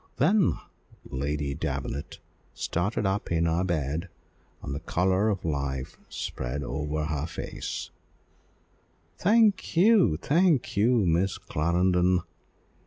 Then Lady Davenant started up in her bed, and the colour of life spread over her face "Thank you, thank you, Miss Clarendon!